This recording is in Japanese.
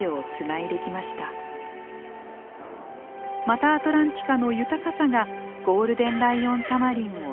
マタアトランティカの豊かさがゴールデンライオンタマリンを支えているのです。